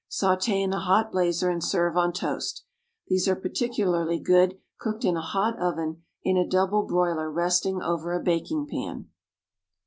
Sauté in a hot blazer and serve on toast. These are particularly good, cooked in a hot oven in a double broiler resting over a baking pan.